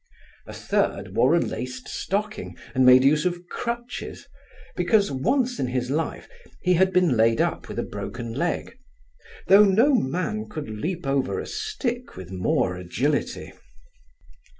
A third wore a laced stocking, and made use of crutches, because, once in his life, he had been laid up with a broken leg, though no man could leap over a stick with more agility.